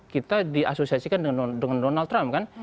kita diasosiasikan dengan donald trump kan